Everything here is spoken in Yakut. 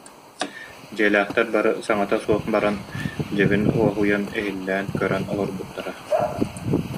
Дьиэлээхтэр бары саҥата суох баран, дьэбин уоһуйан, иһллээн, көрөн олорбуттара